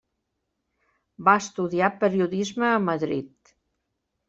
Va estudiar periodisme a Madrid.